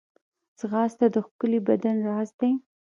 ځغاسته د ښکلي بدن راز دی